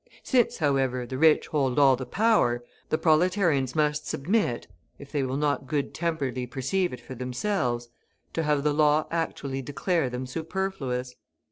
Since, however, the rich hold all the power, the proletarians must submit, if they will not good temperedly perceive it for themselves, to have the law actually declare them superfluous.